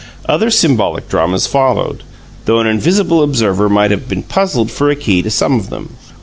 Other symbolic dramas followed, though an invisible observer might have been puzzled for a key to some of them.